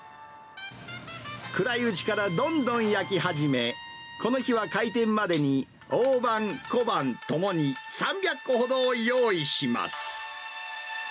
暗いうちから、どんどん焼き始め、この日は開店までに大判、小判ともに３００個ほどを用意します。